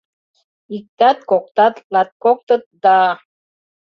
Иктат-коктат, латкоктыт да